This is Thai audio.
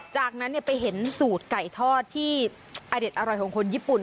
จากนั้นไปเห็นสูตรไก่ทอดที่อเด็ดอร่อยของคนญี่ปุ่น